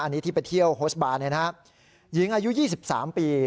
อันนี้ที่ไปเที่ยวโฮสบานเนี่ยนะฮะหญิงอายุยี่สิบสามปี